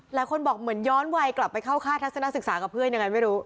หลายคนบอกเหมือนย้อนวัยกลับไปเข้าค่าทัศนศึกษากับเพื่อนยังไงไม่รู้